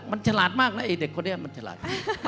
มันฉลาดมากนะไอ้เด็กคนนี้มันฉลาด